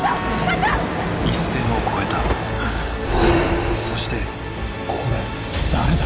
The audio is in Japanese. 課長‼一線を越えたそしてこれ誰だ？